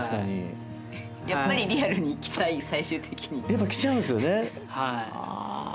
やっぱ来ちゃうんですよね。